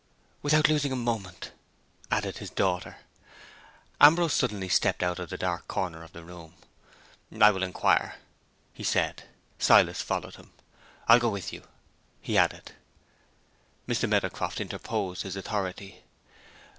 "Without losing a moment," added his daughter. Ambrose suddenly stepped out of the dark corner of the room. "I will inquire," he said. Silas followed him. "I will go with you," he added. Mr. Meadowcroft interposed his authority.